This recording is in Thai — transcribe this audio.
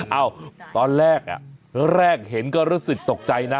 เอ้าตอนแรกแรกเห็นก็รู้สึกตกใจนะ